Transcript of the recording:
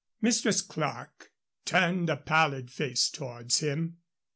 Mistress Clerke turned a pallid face towards him.